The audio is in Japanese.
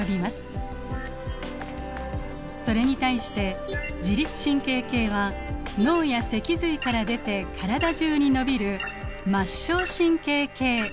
それに対して自律神経系は脳や脊髄から出て体中に伸びる末梢神経系に含まれます。